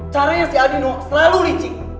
caranya si adhino selalu licik